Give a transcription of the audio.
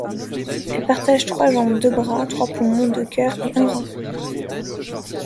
Elles partagent trois jambes, deux bras, trois poumons, deux cœurs et un rein.